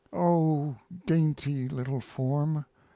O, dainty little form!